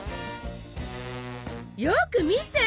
よく見て！